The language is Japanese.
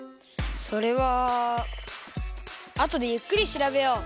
それはあとでゆっくりしらべよう。